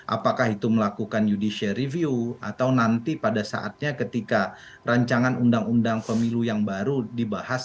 apakah itu melakukan judicial review atau nanti pada saatnya ketika rancangan undang undang pemilu yang baru dibahas